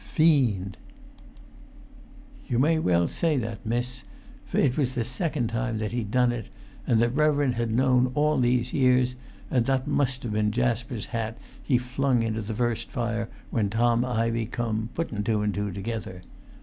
"Fiend!" "You may well say that, miss, for it was the second time he'd done it; and the reverend had known, all these years, and that must've been Jasper's hat he flung into the first fire when Tom Ivey come, puttun two an' two together.